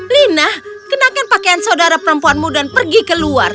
lina kenalkan pakaian saudara perempuanmu dan pergi ke luar